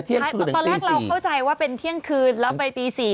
ตอนแรกเราเข้าใจว่าเป็นเที่ยงคืนแล้วไปตี๔